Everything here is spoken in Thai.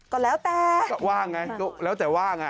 ก็แล้วแต่ก็ว่างไงก็แล้วแต่ว่างอ่ะ